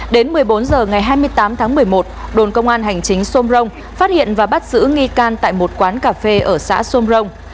đến một mươi bốn h ngày hai mươi tám tháng một mươi một đồn công an hành chính sôm rông phát hiện và bắt giữ nghi can tại một quán cà phê ở xã sôm rông